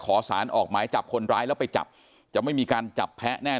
ขอสารออกหมายจับคนร้ายแล้วไปจับจะไม่มีการจับแพ้แน่